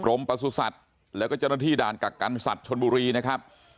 ประสุทธิ์แล้วก็เจ้าหน้าที่ด่านกักกันสัตว์ชนบุรีนะครับ